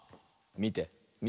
みてみて。